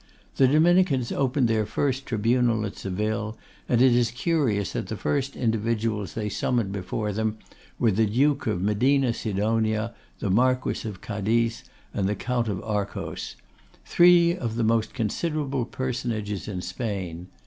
The Dominicans opened their first tribunal at Seville, and it is curious that the first individuals they summoned before them were the Duke of Medina Sidonia, the Marquess of Cadiz, and the Count of Arcos; three of the most considerable personages in Spain.